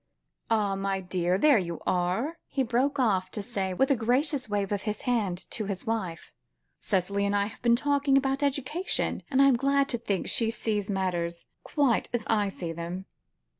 "Ah! my dear, there you are," he broke off to say, with a gracious wave of his hand to his wife. "Cicely and I have been talking about education, and I am glad to think she sees matters quite as I see them."